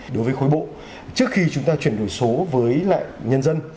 đối với khối bộ trước khi chúng ta chuyển đổi số với lại nhân dân